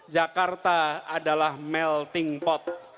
jakarta adalah melting pot